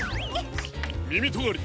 みみとがり！